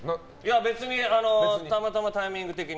別にたまたまタイミング的に。